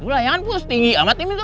layangan pun setinggi amat im itu